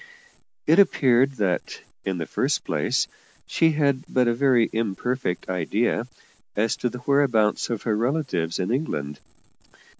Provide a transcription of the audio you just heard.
It appeared that, in the first place, she had but a very imperfect idea as to the whereabouts of her relatives in England.